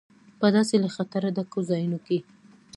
په داسې له خطره ډکو ځایونو کې.